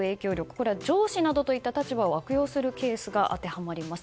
これは上司などといった立場を悪用するケースが当てはまります。